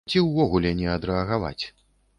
Ці ўвогуле не адрэагаваць.